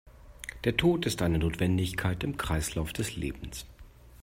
Der Tod ist eine Notwendigkeit im Kreislauf des Lebens.